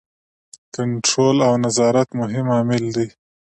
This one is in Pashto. کنټرول او نظارت مهم عامل دی.